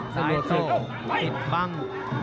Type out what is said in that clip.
ซ้ายโต้ติดหวัง